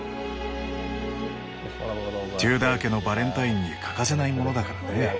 テューダー家のバレンタインに欠かせないものだからね。